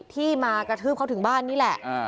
ที่มากระทืบเขาถึงบ้านนี่แหละ